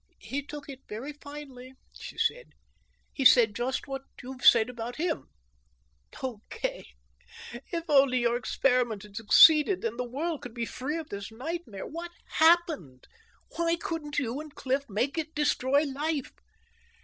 "He took it very finely," she said. "He said just what you've said about him. Oh, Kay, if only your experiment had succeeded, and the world could be free of this nightmare! What happened? Why couldn't you and Cliff make it destroy life?"